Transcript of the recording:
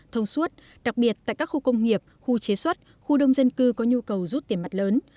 thông suốt đặc biệt tại các khu công nghiệp khu chế xuất khu đông dân cư có nhu cầu rút tiền mặt lớn